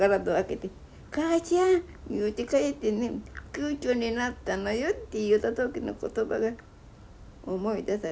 言うて帰ってね「級長になったのよ」って言うた時の言葉が思い出される。